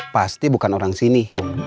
pasti bukan orang sini